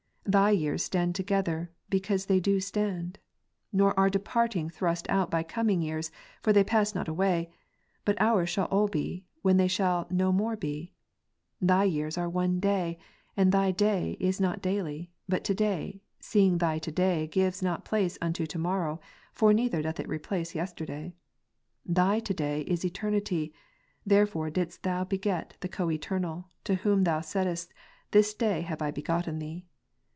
Thy years stand together, because they do stand ; nor are departing tlirust out by coming years, for they pass not away; but ours shall all be, when they shall no more be. Thy years are one day ; and Thy day is not daily, but To day, seeing Thy To day gives not place unto to morrow, for neither doth it replace yesterday. Thy To day, is Eternity "; therefore didst Thou beget The Coeternal, to Whom Thou saidst, This day have I begotten Thee.